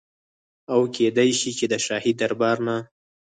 او کيدی شي چي د شاهي دربار نه